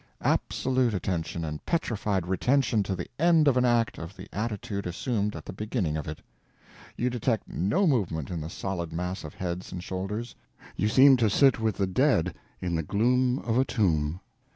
Absolute attention and petrified retention to the end of an act of the attitude assumed at the beginning of it. You detect no movement in the solid mass of heads and shoulders. You seem to sit with the dead in the gloom of a tomb.